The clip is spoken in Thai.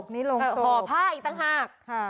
ห่อผ้าอีกต่างหาก